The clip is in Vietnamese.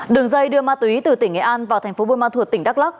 đường dây đưa ma túy từ tỉnh nghệ an vào thành phố buôn ma thuột tỉnh đắk lắc